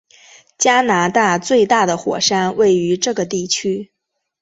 加拿大最大的火山位于这个地区。